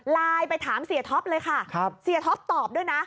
ไปถามเสียท็อปเลยค่ะเสียท็อปตอบด้วยนะ